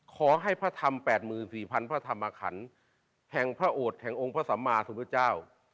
พระธรรม๘๔๐๐พระธรรมขันแห่งพระโอดแห่งองค์พระสัมมาสุพุทธเจ้า